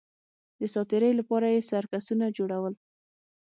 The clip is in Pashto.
د ساتېرۍ لپاره یې سرکسونه جوړول